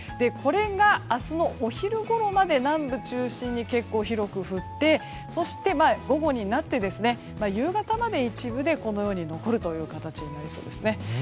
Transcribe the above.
これが明日のお昼ごろまで南部中心に結構広く降ってそして午後になって夕方まで一部でこのよう残る形になりそうですね。